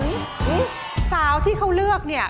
อุ๊ยสาวที่เขาเลือกนี่